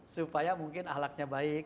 supaya mungkin ahlaknya baik